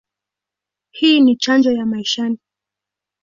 Hii ni chanjo ya maishani.